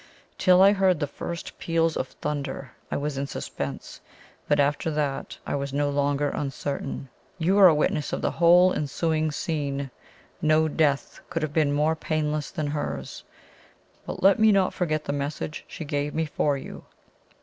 Till I heard the first peals of thunder, I was in suspense; but after that I was no longer uncertain. You were a witness of the whole ensuing scene. No death could have been more painless than hers. But let me not forget the message she gave me for you."